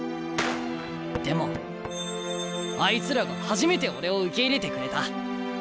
でもあいつらが初めて俺を受け入れてくれた。